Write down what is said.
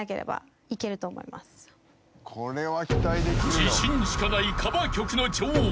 ［自信しかないカバー曲の女王］